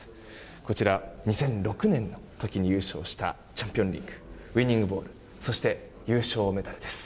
こちら２００６年の時に優勝したチャンピオンリングウィニングボールそして優勝メダルです。